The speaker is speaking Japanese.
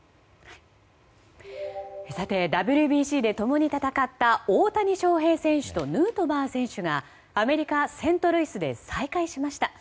ＷＢＣで共に戦った大谷翔平選手とヌートバー選手がアメリカ・セントルイスで再会しました。